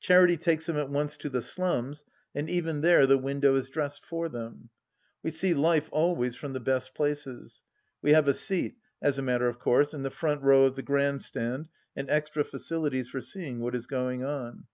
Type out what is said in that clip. Charity takes them at once to the slums, and even there the window is dressed for them. We see Life always from the best places ; we have a seat as a matter of course in the front row of the Grand Stand and extra facilities for seeing what is going on.